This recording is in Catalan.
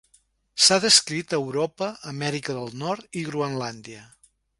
S'ha descrit a Europa, Amèrica del Nord i Groenlàndia.